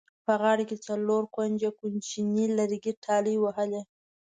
په غاړه کې یې څلور کونجه کوچیني لرګي ټالۍ وهلې.